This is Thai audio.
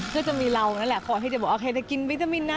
ก็จะมีเรานั่นแหละคอยที่จะบอกโอเคได้กินวิตามินนะ